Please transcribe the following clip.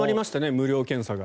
無料検査が。